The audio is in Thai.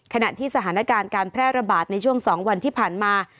ขณะที่สถานการณ์การแพร่ระบาดในช่วง๒วันที่ผ่านมา